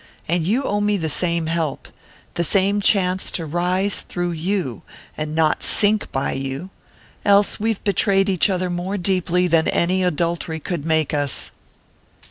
And you owe me the same help the same chance to rise through you, and not sink by you else we've betrayed each other more deeply than any adultery could make us!"